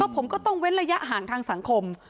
ผมก็ต้องเว้นระยะห่างทางสังคม